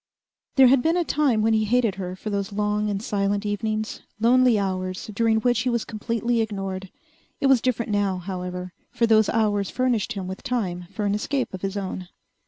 There had been a time when he hated her for those long and silent evenings, lonely hours during which he was completely ignored. It was different now, however, for those hours furnished him with time for an escape of his own.